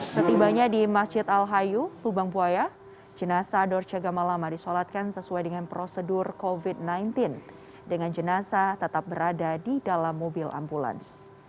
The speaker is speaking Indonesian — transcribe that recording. setibanya di masjid al hayu lubang buaya jenazah dorce gamalama disolatkan sesuai dengan prosedur covid sembilan belas dengan jenazah tetap berada di dalam mobil ambulans